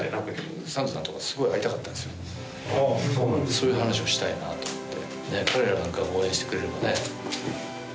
そういう話をしたいなと思って。